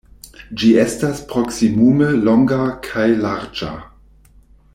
Ĝi estas proksimume longa kaj larĝa.